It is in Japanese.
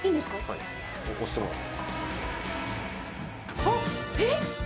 はいここ押してもらってあっえっ？